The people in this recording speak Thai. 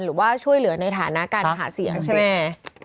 หรือว่าช่วยเหลือในฐานะการหาเสียงใช่ไหม